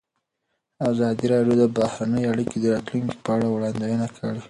ازادي راډیو د بهرنۍ اړیکې د راتلونکې په اړه وړاندوینې کړې.